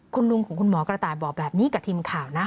คุณลุงของคุณหมอกระต่ายบอกแบบนี้กับทีมข่าวนะ